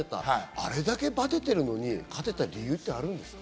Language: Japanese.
あれだけバテてるのに勝てた理由はあるんですか？